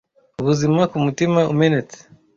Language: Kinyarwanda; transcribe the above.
ubuzima ku mutima umenetse